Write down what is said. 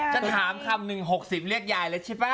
จะถามคำหนึ่ง๖๐เรียกยายแล้วใช่ป่ะ